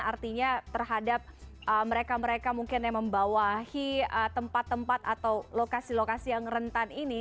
artinya terhadap mereka mereka mungkin yang membawahi tempat tempat atau lokasi lokasi yang rentan ini